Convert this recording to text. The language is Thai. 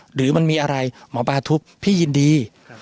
หรือมันมีอะไรหมอปลาทุบพี่ยินดี